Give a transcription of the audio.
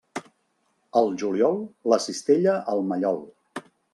Al juliol, la cistella al mallol.